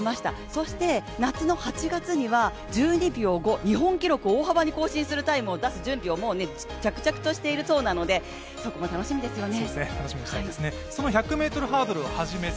そして、夏の８月には１２秒５、日本記録を大幅に更新する準備をもう着々としているそうなので楽しみですよね。